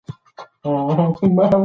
زه غواړم درملتون ته لاړشم